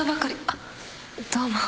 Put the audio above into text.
あっどうも。